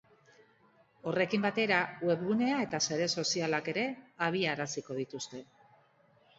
Horrekin batera webgunea eta sare sozialak ere abiaraziko dituzte.